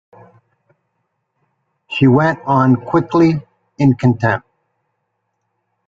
She went on quickly, in contempt.